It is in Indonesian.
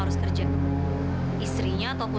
terima kasih pak